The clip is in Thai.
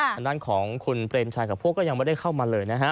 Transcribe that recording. ทางด้านของคุณเปรมชัยกับพวกก็ยังไม่ได้เข้ามาเลยนะฮะ